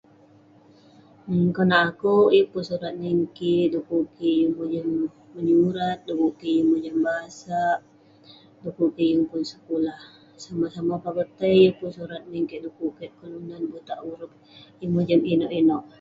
Dan neh konak akouk, yeng pun surat nin kik. Dekuk kik yeng mojam menyurat, dekuk kik yeng mojam basak, dekuk kik yeng pun sekulah. Somah somah peh akouk tai, yeng pun surat nik kek dekuk kek kelunan butak urup. Yeng mojam inouk inouk.